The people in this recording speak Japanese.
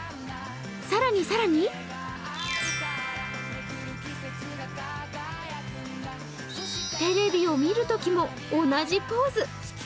更に更にテレビを見るときも同じポーズ。